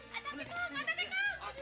eh ada dikau ada dikau